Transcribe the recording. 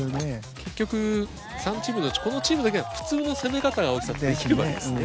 結局３チームのうちこのチームだけが普通の攻め方が青木さんできるわけですね。